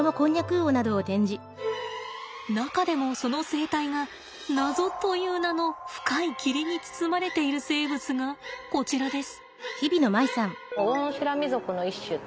中でもその生態が謎という名の深い霧に包まれている生物がこちらです。